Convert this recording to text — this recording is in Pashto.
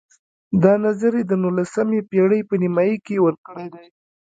دا نظر یې د نولسمې پېړۍ په نیمایي کې ورکړی دی.